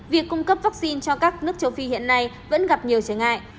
việc cung cấp vaccine cho các nước châu phi hiện nay vẫn gặp nhiều trở ngại